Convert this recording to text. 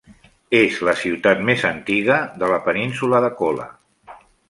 És la ciutat més antiga de la península de Kola.